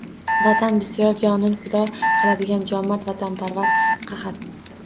Vatan bisyor, jonin fido qiladigan joʼmard vatanparvar qahat;